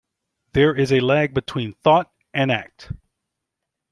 There is a lag between thought and act.